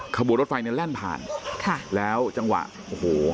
ขบวนรถไฟเนี่ยแล่นผ่านค่ะแล้วจังหวะโอ้โห